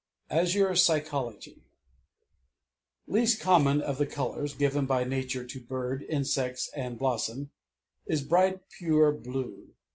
Azure Psychology I Least common of the colors given by nature to bird, insect, and blossom is bright pure blue.